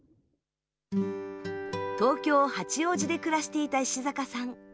東京・八王子で暮らしていた石坂さん。